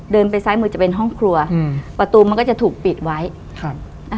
ไปซ้ายมือจะเป็นห้องครัวอืมประตูมันก็จะถูกปิดไว้ครับอ่า